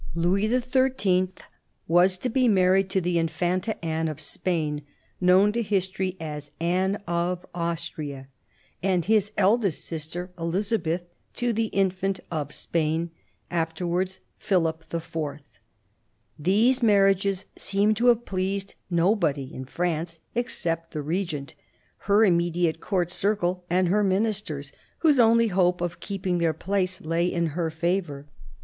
Louis Xni. was to be married to the Infanta Anna of Spain — known to history as Anne of Austria — and his eldest sister, Elisabeth, to the Infant of Spain, afterwards Philip IV. These marriages seem to have pleased nobody in France except the Regent, her immediate Court circle and her Ministers, whose only hope of keeping their place lay in her favour.